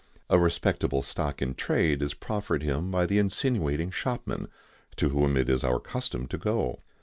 A respectable stock in trade is proffered him by the insinuating shopman, to whom it is our custom to go.